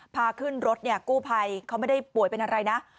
พาขึ้นรถเนี่ยกู้ภัยเขาไม่ได้ป่วยเป็นอะไรนะ